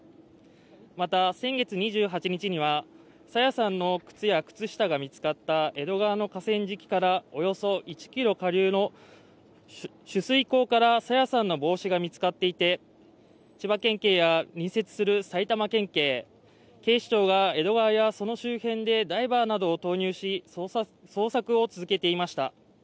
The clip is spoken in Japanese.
また、先月２８日には朝芽さんの靴や靴下が見つかった江戸川の河川敷からおよそ１ｋｍ下流の取水口から朝芽さんの帽子が見つかっていて千葉県警や隣接する埼玉県警、警視庁が江戸川やその周辺でダイバーなどを投入し、捜索を続けていました。